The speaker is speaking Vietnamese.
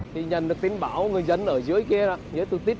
khi nhận được tin báo người dân ở dưới kia dưới tư tích